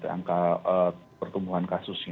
angka pertumbuhan kasus